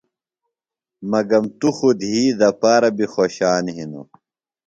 مگم توۡ خوۡ دھی دپارہ بیۡ خوشان ہِنوۡ۔